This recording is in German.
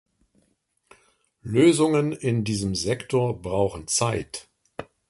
Lösungen in diesem Sektor brauchen Zeit.